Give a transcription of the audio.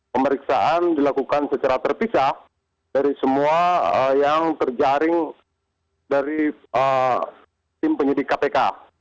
pemeriksaan dilakukan secara terpisah dari semua yang terjaring dari tim penyidik kpk